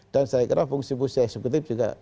dan saya kira fungsi pusat eksekutif juga